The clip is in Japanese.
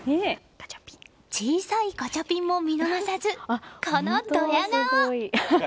小さいガチャピンも見逃さずこのドヤ顔。